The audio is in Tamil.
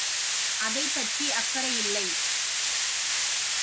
அதைப் பற்றி அக்கரையில்லை.